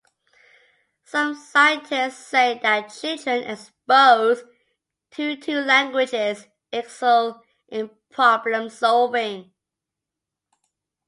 Some scientists say that children exposed to two languages excel in problem-solving.